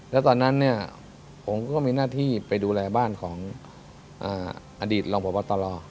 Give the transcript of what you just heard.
และตอนนั้นผมก็มีหน้าที่ไปดูแลบ้านของอดีตรองประวัติศาสตร์ตลอด